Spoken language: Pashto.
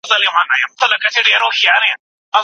هر څوک د خپل مذهب د پیروي حق لري.